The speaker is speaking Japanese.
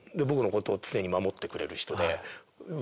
僕のことを常に守ってくれる人で。